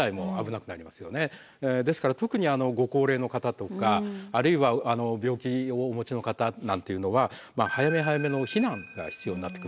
ですから特にご高齢の方とかあるいは病気をお持ちの方なんていうのは早め早めの避難が必要になってくるんじゃないかと思います。